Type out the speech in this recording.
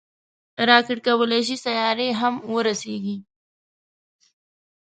راکټ کولی شي سیارې هم ورسیږي